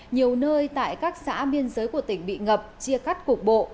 nhiều nơi tại các xã biên giới của tỉnh bị ngập chia cắt cục bộ